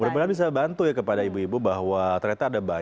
udah bisa bantu ya kepada ibu ibu bahwa ternyata ada banyak